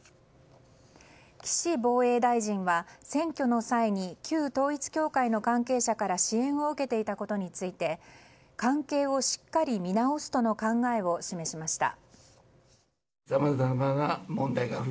岸防衛大臣は選挙の際に旧統一教会の関係者から支援を受けていたことについて関係をしっかり見直すとの考えを示しました。